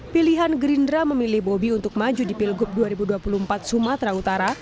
pilihan gerindra memilih bobi untuk maju di pilgub dua ribu dua puluh empat sumatera utara